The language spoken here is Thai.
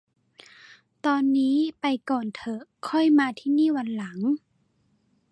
ตอนนี้ไปก่อนเถอะ ค่อยมาที่นี่วันหลัง